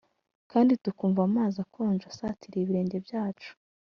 kandi tukumva amazi akonje asatiriye ibirenge byacu.